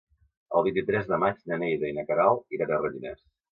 El vint-i-tres de maig na Neida i na Queralt iran a Rellinars.